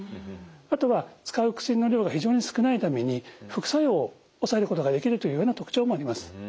あとは使う薬の量が非常に少ないために副作用を抑えることができるというような特長もあります。